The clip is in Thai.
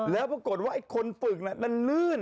แล้วปรากฏว่าไอ้คนฝึกนั้นลื่น